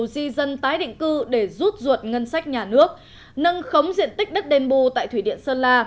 di dân tái định cư để rút ruột ngân sách nhà nước nâng khống diện tích đất đền bù tại thủy điện sơn la